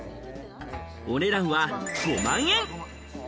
お値段は５万円。